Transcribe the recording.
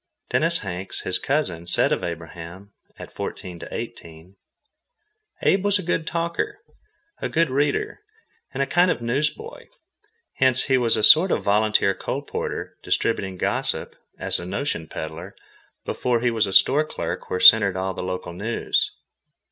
Dennis Hanks, his cousin, said of Abraham, at fourteen to eighteen: "Abe was a good talker, a good reader, and a kind of newsboy." Hence he was a sort of volunteer colporteur distributing gossip, as a notion pedler, before he was a store clerk where centered all the local news.